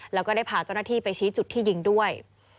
แล้วก็ได้พาเจ้าหน้าที่ไปชี้จุดที่ยิงด้วย